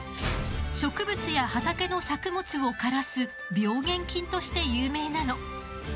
植物や畑の作物を枯らす病原菌として有名なの。